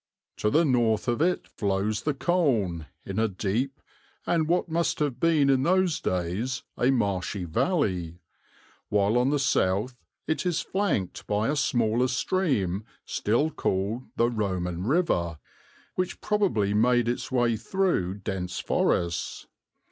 "To the north of it flows the Colne in a deep, and what must have been in those days a marshy valley, while on the south it is flanked by a smaller stream still called the Roman River, which probably made its way through dense forests.